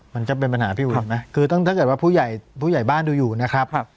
มันก็เป็นปัญหาพี่วิทย์นะคือถ้าเกิดว่าผู้ใหญ่บ้านดูอยู่นะครับ